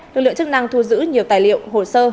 lực lượng chức năng thu giữ nhiều tài liệu hồ sơ